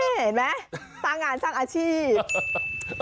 นั่นแหละเห็นไหมสร้างงานสร้างอาชีพ